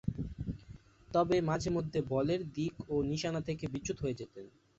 তবে মাঝে-মধ্যে বলের দিক ও নিশানা থেকে বিচ্যুত হয়ে যেতেন।